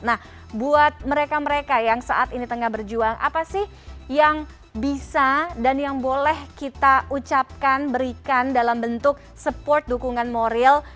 nah buat mereka mereka yang saat ini tengah berjuang apa sih yang bisa dan yang boleh kita ucapkan berikan dalam bentuk support dukungan moral